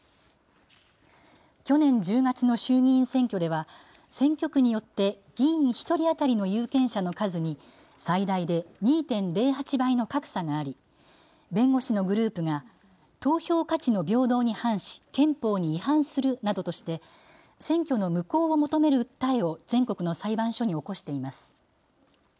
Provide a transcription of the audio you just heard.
去年１０月の衆議院選挙では、選挙区によって議員１人当たりの有権者の数に、最大で２．０８倍の格差があり、弁護士のグループが、投票価値の平等に反し、憲法に違反するなどとして、選挙の無効を求める訴えを全国の裁判所に起こしています。